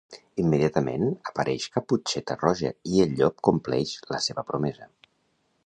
Immediatament, apareix Caputxeta Roja i el Llop compleix la seva promesa.